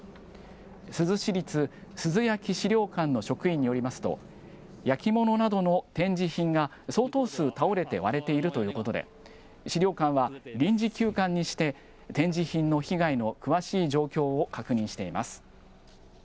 珠洲市立珠洲焼資料館の職員によりますと、焼き物などの展示品が相当数、倒れて割れているということで、資料館は臨時休館にして、展示品の被害の詳しい状況を確認しています。